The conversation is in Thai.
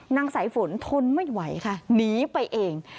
สายฝนทนไม่ไหวค่ะหนีไปเอง